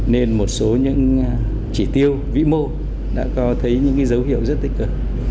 nên một số những trị tiêu vĩ mô đã có thấy những dấu hiệu rất tích cực